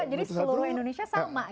jadi seluruh indonesia sama